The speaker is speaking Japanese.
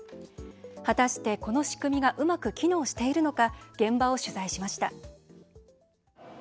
果たして、この仕組みがうまく機能しているのか現場を取材しました。